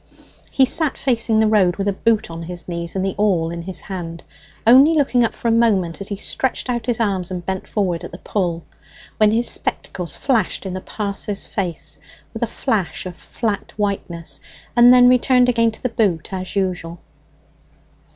He sat facing the road, with a boot on his knees and the awl in his hand, only looking up for a moment as he stretched out his arms and bent forward at the pull, when his spectacles flashed in the passer's face with a shine of flat whiteness, and then returned again to the boot as usual.